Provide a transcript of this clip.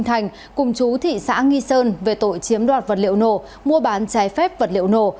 thành cùng chú thị xã nghi sơn về tội chiếm đoạt vật liệu nổ mua bán trái phép vật liệu nổ